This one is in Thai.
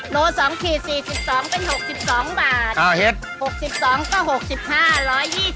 โร๒ขีด๔๒เป็น๖๒บาทอ่าเห็ด๖๒ก็๖๕๑๒๗บาทอ่า๑๒๗ก็อีก๗๕